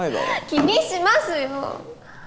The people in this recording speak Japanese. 気にしますよ！